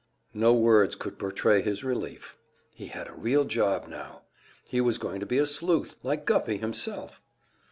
No words could portray his relief. He had a real job now! He was going to be a sleuth, like Guffey himself.